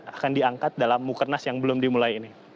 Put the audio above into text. akan diangkat dalam mukernas yang belum dimulai ini